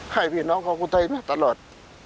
ให้พี่น้องของประเทศไตยมาตลอด